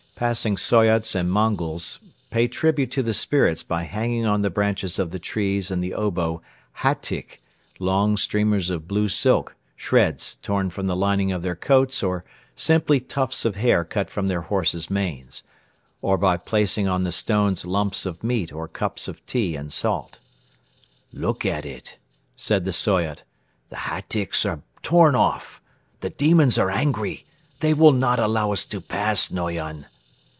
Passing Soyots and Mongols pay tribute to the spirits by hanging on the branches of the trees in the obo hatyk, long streamers of blue silk, shreds torn from the lining of their coats or simply tufts of hair cut from their horses' manes; or by placing on the stones lumps of meat or cups of tea and salt. "Look at it," said the Soyot. "The hatyks are torn off. The demons are angry, they will not allow us to pass, Noyon.